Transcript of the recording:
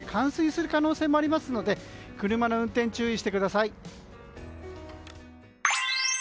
道路やアンダーパスが冠水する可能性もありますので車の運転に注意してください。